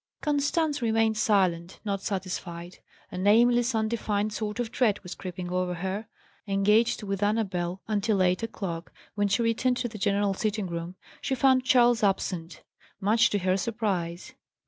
Constance remained silent; not satisfied. A nameless, undefined sort of dread was creeping over her. Engaged with Annabel until eight o'clock, when she returned to the general sitting room, she found Charles absent, much to her surprise.